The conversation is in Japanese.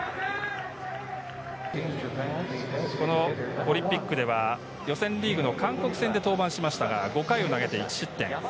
オリンピックでは、予選リーグの監督戦で登板しましたが、５回を投げて１失点。